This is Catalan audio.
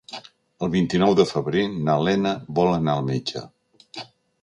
El vint-i-nou de febrer na Lena vol anar al metge.